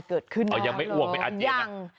เกิดขึ้นยัง